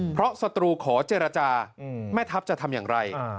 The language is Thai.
เพราะศัตรูขอเจรจาแม่ทัพจะทำอย่างไร